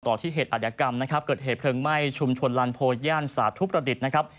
ที่เหตุอัธยกรรมนะครับเกิดเหตุเพลิงไหม้ชุมชนลานโพย่านสาธุประดิษฐ์นะครับ